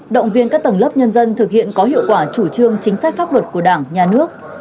động viên các tầng lớp nhân dân thực hiện có hiệu quả chủ trương chính sách pháp luật của đảng nhà nước